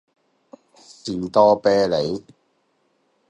士多啤梨